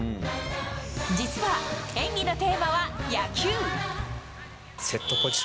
実は演技のテーマは野球。